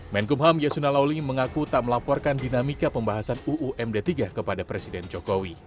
menkumham yasuna lawli mengaku tak melaporkan dinamika pembahasan uumd tiga kepada presiden jokowi